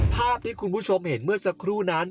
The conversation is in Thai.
ภาพที่คุณผู้ชมเห็นเมื่อสักครู่นั้น